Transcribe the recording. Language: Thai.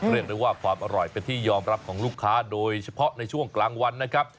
เรียกได้ว่าความอร่อยเป็นที่ยอมรับของลูกค้าโดยเฉพาะในช่วงกลางวันนะครับ